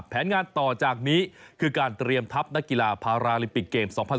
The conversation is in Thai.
แผนงานต่อจากนี้คือการเตรียมทัพนักกีฬาพาราลิมปิกเกม๒๐๑๖